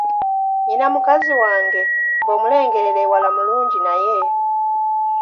Nnina mukazi wange, bw’omulengerera ewala mulungi naye!